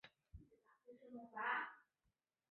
于几内亚国内另有同名城镇。